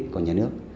của nhà nước